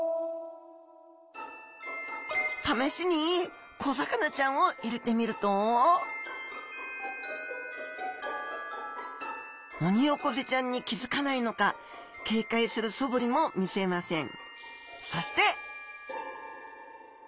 試しに小魚ちゃんを入れてみるとオニオコゼちゃんに気付かないのか警戒するそぶりも見せません